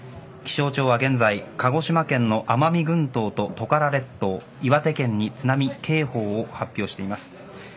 気象庁は現在鹿児島県の奄美群島とトカラ列島、岩手県に津波警報を発表しています。